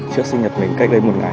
chiếc sinh nhật mình cách đây một ngày